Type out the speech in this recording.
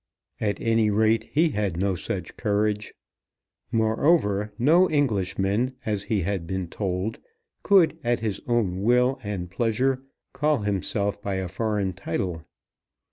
At any rate he had no such courage. Moreover, no Englishman, as he had been told, could at his own will and pleasure call himself by a foreign title.